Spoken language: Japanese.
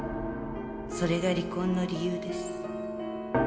それが離婚の理由です。